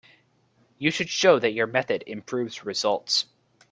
You should show that your method improves results.